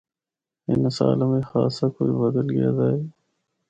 اِناں سالاں بچ خاصا کجھ بدل گیا دا اے۔